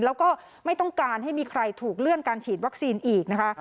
แล้วก็ไม่ต้องการให้มีใครถูกเลื่อนการฉีดวัคซีนอีกนะคะ